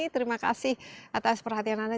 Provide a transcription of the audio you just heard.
terima kasih atas perhatian anda